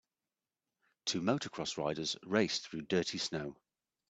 Two motorcross riders race through dirty snow.